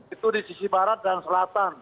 itu di sisi barat dan selatan